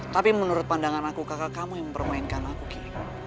tapi menurut pandangan aku kakak kamu yang mempermainkan aku ki